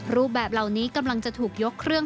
รูปแบบเหล่านี้กำลังจะถูกยกเครื่อง